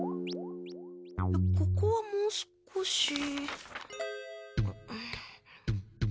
ここはもう少しんん。